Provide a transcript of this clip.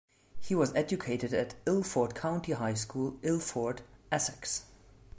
He was educated at Ilford County High School, Ilford, Essex.